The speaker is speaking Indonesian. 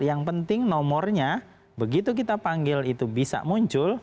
yang penting nomornya begitu kita panggil itu bisa muncul